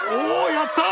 やった！